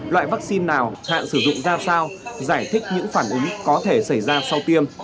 loại vaccine nào hạn sử dụng ra sao giải thích những phản ứng có thể xảy ra sau tiêm